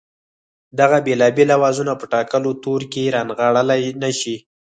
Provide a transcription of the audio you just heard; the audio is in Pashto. دغه بېلابېل آوازونه په ټاکلو تورو کې رانغاړلای نه شي